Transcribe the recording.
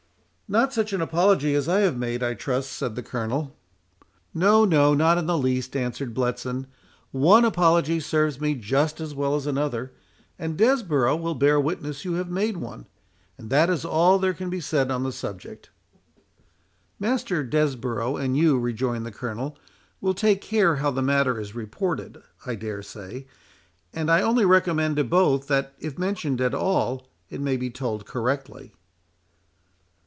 "Not such an apology as I have made, I trust," said the Colonel. "No, no—not in the least," answered Bletson,—"one apology serves me just as well as another, and Desborough will bear witness you have made one, and that is all there can be said on the subject." "Master Desborough and you," rejoined the Colonel, "will take care how the matter is reported, I dare say; and I only recommend to both, that, if mentioned at all, it may be told correctly."